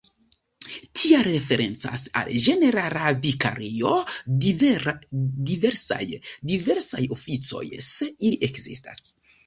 Tial referencas al ĝenerala vikario diversaj oficoj, se ili ekzistas.